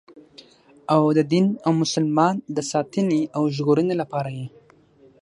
او د دین او مسلمان د ساتنې او ژغورنې لپاره یې.